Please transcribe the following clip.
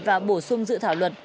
và bổ sung dự thảo luật